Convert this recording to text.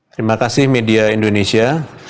terima kasih media indonesia